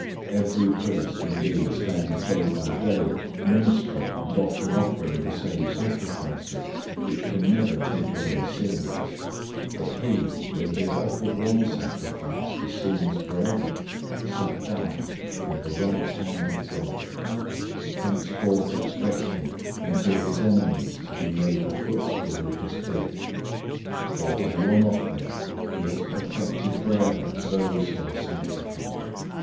010:011 Every priest indeed stands day by day serving and often offering the same sacrifices, which can never take away sins, 010:012 but he, when he had offered one sacrifice for sins forever, sat down on the right hand of God; 010:013 from that time waiting until his enemies are made the footstool of his feet. 010:014 For by one offering he has perfected forever those who are being sanctified.